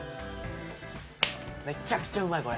めちゃくちゃうまいこれ。